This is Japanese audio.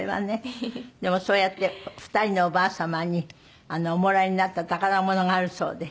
でもそうやって２人のおばあ様におもらいになった宝物があるそうで。